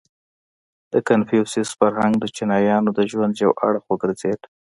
• د کنفوسیوس فرهنګ د چینایانو د ژوند یو اړخ وګرځېد.